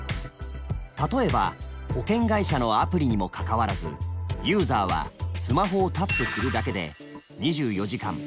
例えば保険会社のアプリにもかかわらずユーザーはスマホをタップするだけで２４時間